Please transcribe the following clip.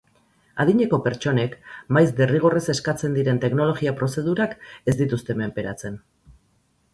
Adineko pertsonek maiz derrigorrez eskatzen diren teknologia prozedurak ez dituzte menperatzen.